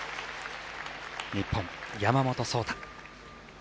日本、山本草太。